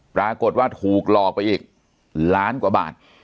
ปรากฏว่าถูกหลอกไปอีกล้านกว่าบาท